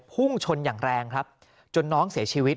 พุ่งชนอย่างแรงครับจนน้องเสียชีวิต